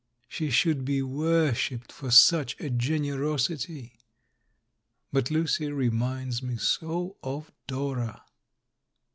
She should be worshipped for such a generosity. But Lucy reminds me so of Dora!